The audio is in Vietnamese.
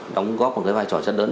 đóng góp một cái vai trò chất đớn